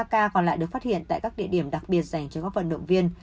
ba ca còn lại được phát hiện tại các địa điểm đặc biệt dành cho các vận động viên